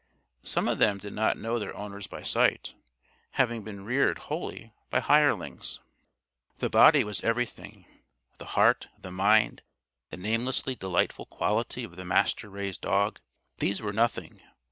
Some of them did not know their owners by sight having been reared wholly by hirelings. The body was everything; the heart, the mind, the namelessly delightful quality of the master raised dog these were nothing.